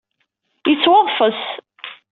Yettwaḍfes!